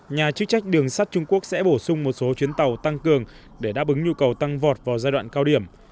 nhà chức trách đường sắt trung quốc sẽ bổ sung một số chuyến tàu tăng cường để đáp ứng nhu cầu tăng vọt vào giai đoạn cao điểm